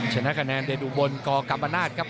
ชนะคะแนนเดนอุบลกกรรมนาศครับ